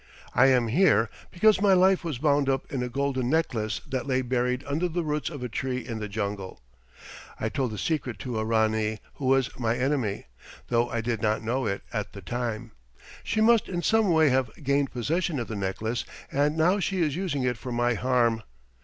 "I am here because my life was bound up in a golden necklace that lay buried under the roots of a tree in the jungle. I told the secret to a Ranee who was my enemy, though I did not know it at the time. She must in some way have gained possession of the necklace, and now she is using it for my harm.